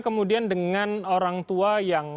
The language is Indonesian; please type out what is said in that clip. kemudian dengan orang tua yang